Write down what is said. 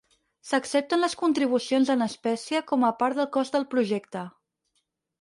S'accepten les contribucions en espècie com a part del cost del projecte.